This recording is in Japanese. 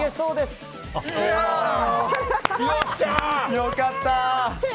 良かった！